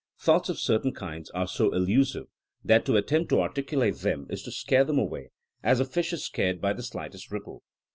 Thoughts of certain kinds are so elusive that to attempt to articulate them is to scare them away, as a fish is scared by the slightest ripple.